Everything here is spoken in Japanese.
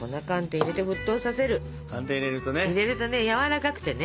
入れるとねやわらかくてね